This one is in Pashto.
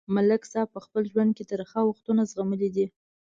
ملک صاحب په خپل ژوند کې ترخه وختونه زغملي دي.